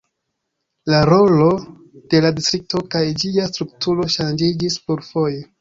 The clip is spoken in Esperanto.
La rolo de la distrikto kaj ĝia strukturo ŝanĝiĝis plurfoje.